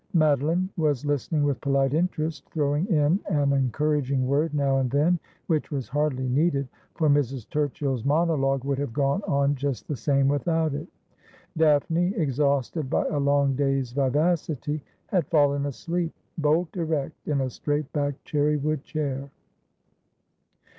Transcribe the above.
Madeline was listening with polite interest, throwing in an encouraging word now and then, which was hardly needed, for Mrs. Turchill's monologue would have gone on just the same without it. Daphne, exhausted by a long day's vivacity, had fallen asleep, bolt erect in a straight backed cherry wood chair.